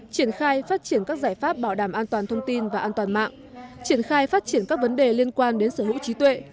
triển khai phát triển các giải pháp bảo đảm an toàn thông tin và an toàn mạng triển khai phát triển các vấn đề liên quan đến sở hữu trí tuệ